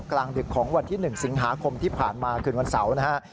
กลางดึกของวันที่๑สิงหาคมที่ผ่านมาคืนวันเสาร์นะฮะ